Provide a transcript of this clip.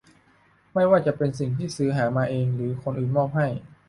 ไม่ว่าจะเป็นสิ่งที่ซื้อหามาเอง หรือคนอื่นมอบให้